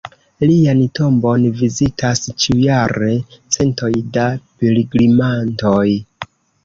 Lian tombon vizitas ĉiujare centoj da pilgrimantoj.